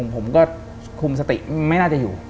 ผมก็คุมสติไม่น่าจะอยู่